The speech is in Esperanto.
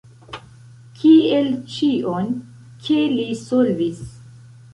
Kiel ĉion, ke li solvis.